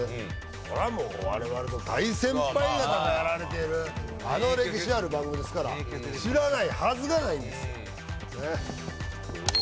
これはもう我々の大先輩方がやられているあの歴史ある番組ですから知らないはずがないんですよねえ